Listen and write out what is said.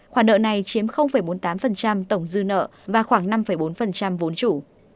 khoản nợ này chiếm bốn mươi tám tổng dư nợ và khoảng năm bốn vốn chủ